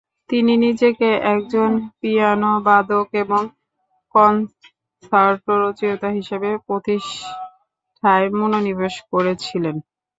তিনি নিজেকে একজন পিয়ানোবাদক এবং কন্সার্টো রচয়িতা হিসেবে প্রতিষ্ঠায় মনোনিবেশ করেছিলেন।